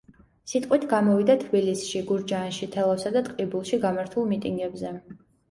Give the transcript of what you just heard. სიტყვით გამოვიდა თბილისში, გურჯაანში, თელავსა და ტყიბულში გამართულ მიტინგებზე.